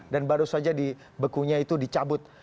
dan baru saja dibekunya itu dicabut